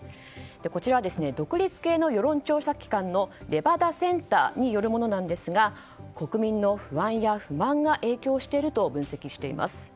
こちらは独立系の世論調査機関のレバダ・センターによるものですが国民の不安や不満が影響していると分析しています。